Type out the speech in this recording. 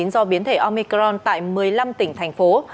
do biến thể omicron tại một mươi năm tỉnh thành phố